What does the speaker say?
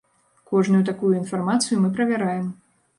Кожную такую інфармацыю мы правяраем.